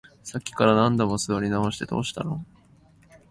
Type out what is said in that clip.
さっきから何度も座り直して、どうしたの？